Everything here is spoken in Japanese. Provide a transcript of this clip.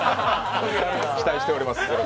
期待しております。